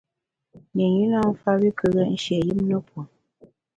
Nyinyi nâ mfa wi kù ghét nshié yùm ne pue.